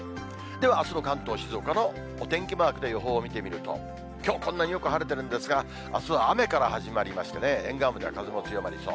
ではあすの関東、静岡のお天気マークで予報を見てみると、きょう、こんなによく晴れてるんですが、あすは雨から始まりましてね、沿岸部では風も強まりそう。